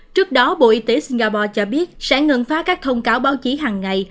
trước đó bộ y tế singapore cho biết sẽ ngừng phát các thông cáo báo chí hàng ngày